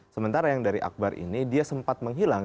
sementara yang dari akbar ini dia sempat menghilang